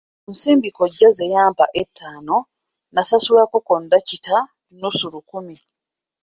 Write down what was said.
Ku nsimbi kkojja ze yampa ettaano nasasulako kondakita nnusu lukumi.